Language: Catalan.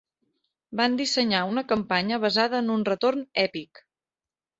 Van dissenyar una campanya basada en un retorn èpic.